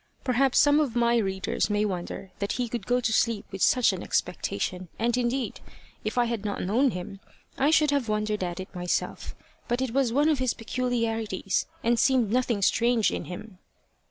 Perhaps some of my readers may wonder that he could go to sleep with such an expectation; and, indeed, if I had not known him, I should have wondered at it myself; but it was one of his peculiarities, and seemed nothing strange in him.